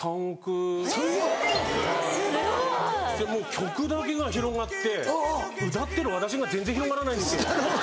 曲だけが広がって歌ってる私が全然広がらないんですよ。